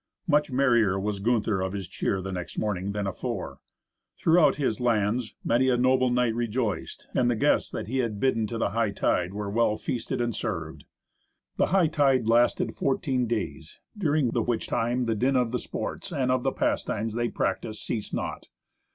Much merrier was Gunther of his cheer the next morning than afore. Throughout his lands many a noble knight rejoiced, and the guests that he had bidden to the hightide were well feasted and served. The hightide lasted fourteen days, during the which time the din of the sports, and of the pastimes they practised, ceased not.